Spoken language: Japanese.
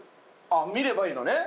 あっ見ればいいのね？